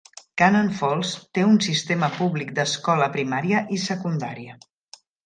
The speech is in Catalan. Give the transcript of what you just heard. Cannon Falls té un sistema públic d'escola primària i secundària.